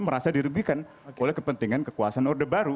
merasa dirugikan oleh kepentingan kekuasaan orde baru